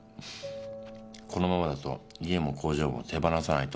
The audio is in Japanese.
このままだと家も工場も手放さないと。